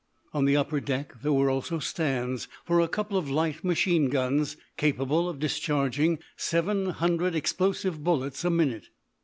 On the upper deck there were also stands for a couple of light machine guns capable of discharging seven hundred explosive bullets a minute.